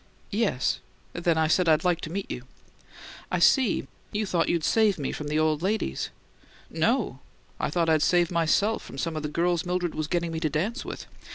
"Yes. Then I said I'd like to meet you." "I see. You thought you'd save me from the old ladies." "No. I thought I'd save myself from some of the girls Mildred was getting me to dance with.